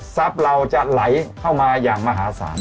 เราจะไหลเข้ามาอย่างมหาศาล